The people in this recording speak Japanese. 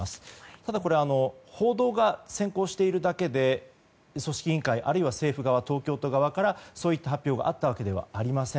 ただ、報道が先行しているだけで組織委員会、あるいは政府側東京都側からそういった発表があったわけではありません。